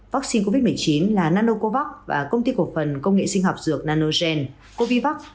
vắc xin covid một mươi chín là nanocovax và công ty cộng phần công nghệ sinh học dược nanogen covivax